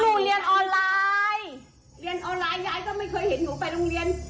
เรียนออนไลน์เรียนออนไลน์ยายก็ไม่เคยเห็นหนูไปโรงเรียน